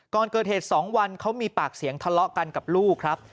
ก่อนเกิดเหตุ๒วันเขามีปากเสียงทะเลาะกันกับลูกครับ